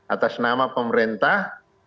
atas nama pemerintah